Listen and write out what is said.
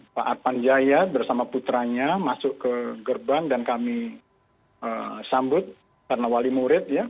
pak advan jaya bersama putranya masuk ke gerbang dan kami sambut karena wali murid ya